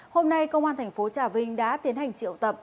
hôm nay công an tp trà vinh đã tiến hành triệu tập